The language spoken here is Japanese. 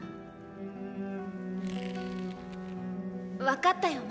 分かったよ